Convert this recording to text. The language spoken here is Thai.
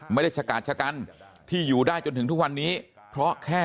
ฉกาดชะกันที่อยู่ได้จนถึงทุกวันนี้เพราะแค่